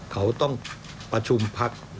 เขาต้องประชุมพัก